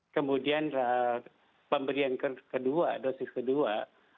kemudian pemberian kedua dosis kedua